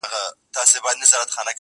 یو ډاکټر له لیری راغی د ده خواله-